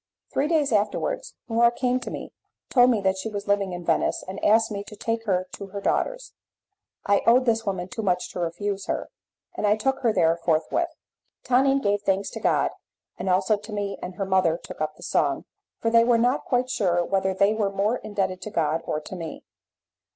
Three days afterwards Laura came to me, told me that she was living in Venice, and asked me to take her to her daughter's. I owed this woman too much to refuse her, and I took her there forthwith. Tonine gave thanks to God, and also to me, and her mother took up the song, for they were not quite sure whether they were more indebted to God or to me.